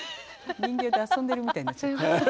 人形で遊んでるみたいになっちゃった。